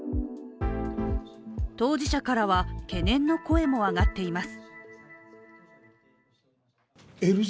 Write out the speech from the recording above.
当事者からは懸念の声も上がっています。